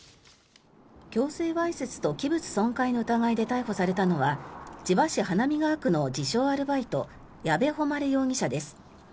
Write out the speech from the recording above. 強制わいせつと器物損壊の疑いで逮捕されたのは千葉市花見川区の自称・アルバイト矢部誉容疑者です。